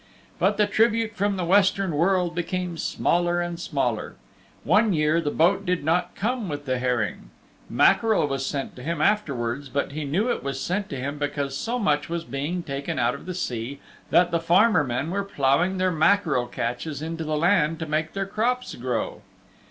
But the tribute from the Western World became smaller and smaller. One year the boat did not come with the herring. Mackerel was sent to him afterwards but he knew it was sent to him because so much was being taken out of the sea that the farmer men were plowing their mackerel catches into the land to make their crops grow.